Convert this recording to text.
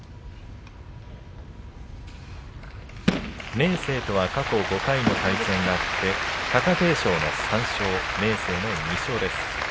明生とは過去５回の対戦があって貴景勝の３勝、明生の２勝です。